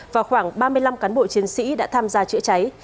và khoảng ba mươi năm cán bộ chiến sĩ đã tham gia chữa cháy